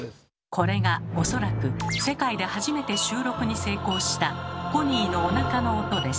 これがおそらく世界で初めて収録に成功したポニーのおなかの音です。